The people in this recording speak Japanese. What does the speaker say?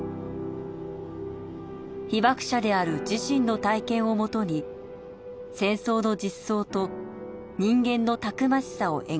被爆者である自身の体験をもとに戦争の実相と人間のたくましさを描きました。